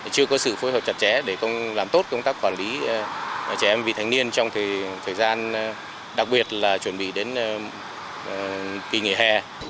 chưa có sự phối hợp chặt chẽ để làm tốt công tác quản lý trẻ em vị thành niên trong thời gian đặc biệt là chuẩn bị đến kỳ nghỉ hè